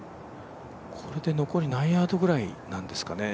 これで残り何ヤードぐらいなんですかね。